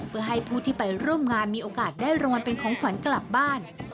เพื่อให้ผู้ที่ไปร่วมงานมีโอกาสได้รางวัลเป็นของขวัญกลับบ้าน